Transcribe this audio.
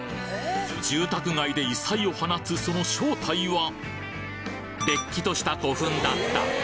住宅街で異彩を放つその正体はれっきとした古墳だった！